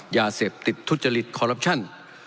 ยาเสพติดทุจริตคอรัปชั่น